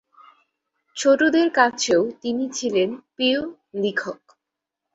ছোটদের কাছেও তিনি ছিলেন প্রিয় লেখক।